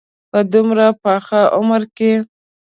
په دومره پاخه عمر کې.